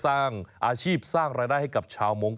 สร้างอาชีพสร้างรายได้ให้กับชาวมงค